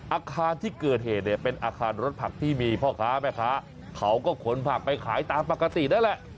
อาคารที่เกิดเหตุเนี่ยเป็นอาคารรถผักที่มีพ่อค้าแม่ค้าเขาก็ขนผักไปขายตามปกตินั่นแหละ